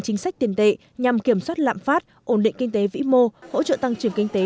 chính sách tiền tệ nhằm kiểm soát lạm phát ổn định kinh tế vĩ mô hỗ trợ tăng trưởng kinh tế